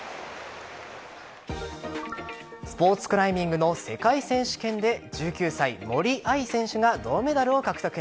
スポーツクライミングの世界選手権で１９歳、森秋彩選手が銅メダルを獲得。